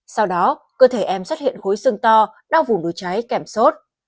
sau đó cơ thể em xuất hiện khối xương to đau vùng đuổi cháy kẻm sốt